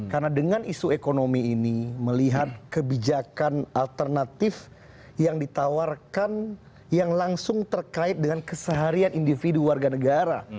karena dengan isu ekonomi ini melihat kebijakan alternatif yang ditawarkan yang langsung terkait dengan keseharian individu warga negara